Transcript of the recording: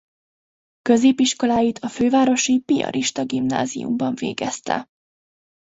Középiskoláit a fővárosi piarista gimnáziumban végezte.